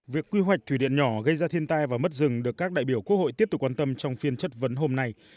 việc quy hoạch thủy điện nhỏ gây ra thiên tai và mất rừng được các đại biểu quốc hội tiếp tục quan tâm trong phiên chất vấn hôm nay